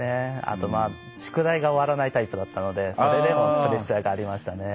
あと宿題が終わらないタイプだったのでそれでもプレッシャーがありましたね。